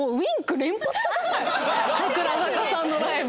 櫻坂さんのライブ。